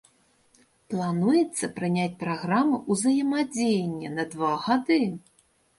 Плануецца прыняць праграму ўзаемадзеяння на два гады.